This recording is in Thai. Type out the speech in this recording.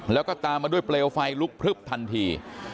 แล้วก็ตามมาด้วยเปลวไฟลุกพลึบทันที